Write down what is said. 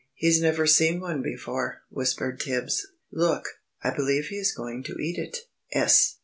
"He's never seen one before," whispered Tibbs. "Look, I believe he is going to eat it." "'Es.